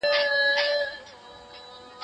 موږ د انګورو په خوړلو بوخت یو.